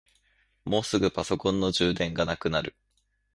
もうすぐパソコンの充電がなくなる。